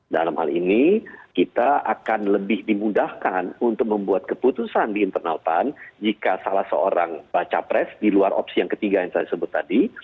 dalam hal ini kita akan lebih dimudahkan untuk membuat keputusan di internal pan jika salah seorang baca pres di luar opsi yang ketiga yang saya sebut tadi